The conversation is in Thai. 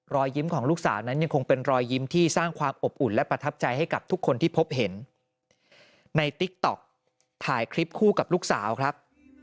รอยยิ้มของลูกสาวนั้นยังคงเป็นรอยยิ้มที่สร้างความอบอุ่นและประทับใจให้กับทุกคนที่พบเห็นในติ๊กต๊อกถ่ายคลิปคู่กับลูกสาวครับ